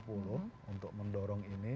untuk mendorong ini